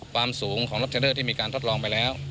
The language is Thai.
ความสูงของล็อเดอร์ที่มีการทดลองไปแล้ว